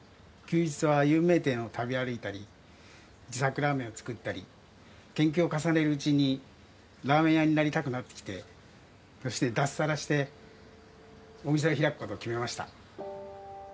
休日は有名店を食べ歩いたり自作ラーメンを作ったり研究を重ねるうちにラーメン屋になりたくなってきてそして脱サラしてお店を開くことを決めました。